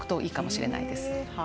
いいかもしれないですね。